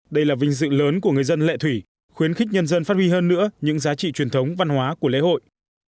đây là vinh dự lớn của người dân lệ thủy khuyến khích nhân dân phát huy hơn nữa những giá trị truyền thống văn hóa của lễ hội